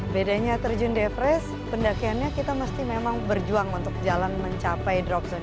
bedanya terjun di everest pendakiannya kita mesti memang berjuang untuk jalan mencapai drop zone